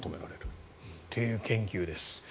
という研究です。